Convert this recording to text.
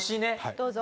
どうぞ。